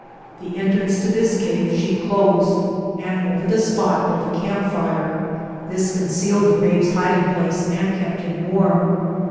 The entrance to this cave she closed and over the spot built a camp fire.. This concealed the babe's hiding place and kept him warm.